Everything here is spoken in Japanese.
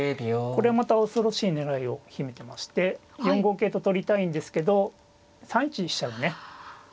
これはまた恐ろしい狙いを秘めてまして４五桂と取りたいんですけど３一飛車がね